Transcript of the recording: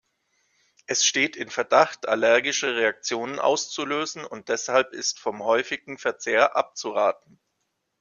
Es steht in Verdacht, allergische Reaktionen auszulösen und deshalb ist vom häufigen Verzehr abzuraten.